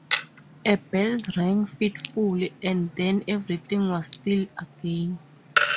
A bell rang fitfully, and then everything was still again.